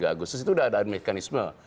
tiga agustus itu sudah ada mekanisme